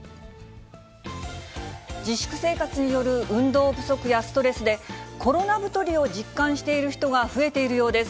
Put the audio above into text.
自粛生活による運動不足やストレスで、コロナ太りを実感している人が増えているようです。